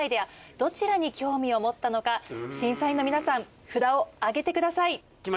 どちらに興味を持ったのか審査員の皆さん札を上げてください。